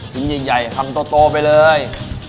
กินใหญ่คำโตโตไปเลย